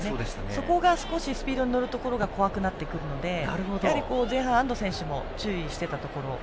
そこがスピードに乗るところが怖くなってくるので、やはり前半、安藤さんも注意していたところ。